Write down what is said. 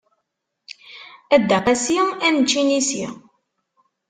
A Dda Qasi ad nečč inisi.